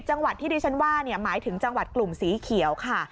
จังหวัดที่ดิฉันว่าหมายถึงจังหวัดกลุ่มสีเขียวค่ะ